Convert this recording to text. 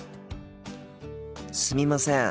すみません。